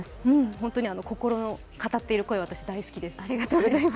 本当に心の語っている声は、私、大好きです。